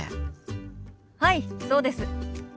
はいそうです。